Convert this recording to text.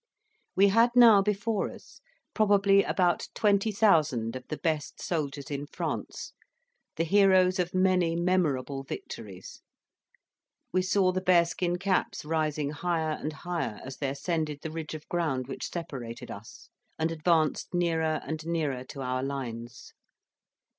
We had now before us probably about 20,000 of the best soldiers in France, the heroes of many memorable victories; we saw the bearskin caps rising higher and higher as they ascended the ridge of ground which separated us, and advanced nearer and nearer to our lines.